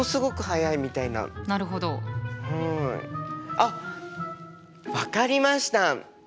あっ分かりました！